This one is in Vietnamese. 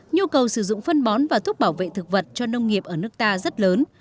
nhu cầu sử dụng phân bón và thuốc bảo vệ thực vật cho nông nghiệp ở nước ta rất lớn